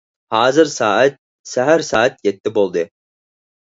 ھازىر سائەت سەھەر سائەت يەتتە بولدى.